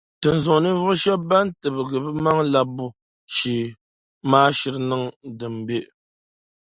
Dinzuɣu ninvuɣu shɛba ban tibigi bɛ maŋ’ labbu shee maa shiri niŋ din be.